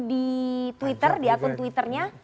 di twitter di akun twitternya